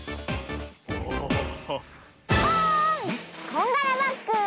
こんがらバッグ！